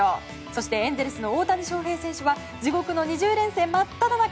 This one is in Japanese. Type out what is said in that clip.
そしてエンゼルスの大谷翔平選手は地獄の２０連戦真っただ中。